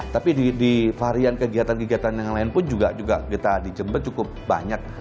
tapi di varian kegiatan kegiatan yang lain pun juga kita di jember cukup banyak